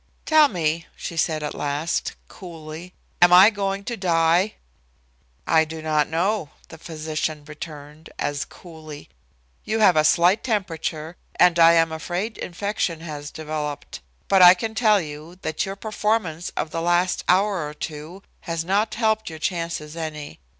"Tell me," she said at last, coolly, "am I going to die?" "I do not know," the physician returned, as coolly. "You have a slight temperature, and I am afraid infection has developed. But I can tell you that your performance of the last hour or two has not helped your chances any.